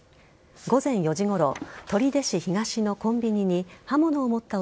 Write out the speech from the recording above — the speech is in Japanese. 午前４時ごろ取手市東のコンビニに刃物を持った